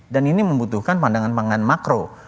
dan ini membutuhkan pandangan pandangan makro